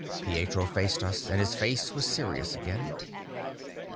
Pietro faced us, and his face was serious again.